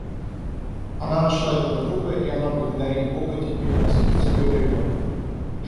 Она нашла этого друга, и она благодарит Бога теперь за смерть своего ребенка.